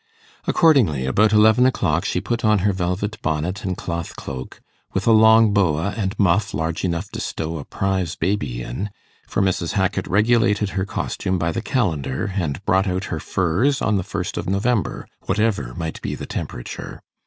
Accordingly, about eleven o'clock, she put on her velvet bonnet and cloth cloak, with a long boa and muff large enough to stow a prize baby in; for Mrs. Hackit regulated her costume by the calendar, and brought out her furs on the first of November; whatever might be the temperature.